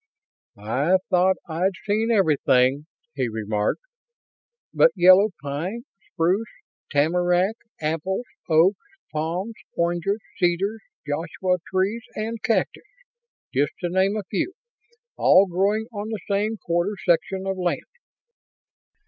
"I thought I'd seen everything," he remarked. "But yellow pine, spruce, tamarack, apples, oaks, palms, oranges, cedars, joshua trees and cactus just to name a few all growing on the same quarter section of land?"